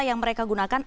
yang mereka gunakan